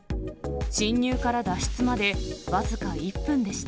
侵入から脱出まで、僅か１分でした。